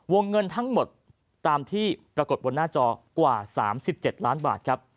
วงเงินทั้งหมดตามที่ประกดบนหน้าจอกว่า๗๗๐๐๐๐๐๐บาท